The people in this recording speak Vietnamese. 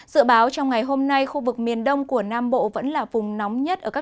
dự báo trong ngày hôm nay khu vực miền đông của nam bộ vẫn là vùng nóng nhất